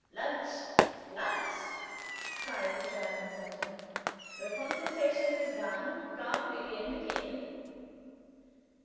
"Lonch! lonch!" cried the German surgeon. "The consultations is done. Come begin begin."